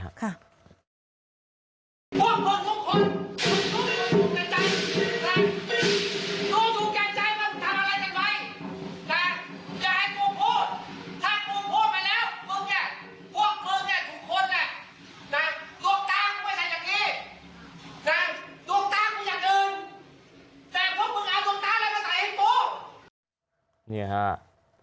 ทางดวงตากูอยากลืมแต่พวกมึงเอาดวงตาอะไรมาใส่ให้กู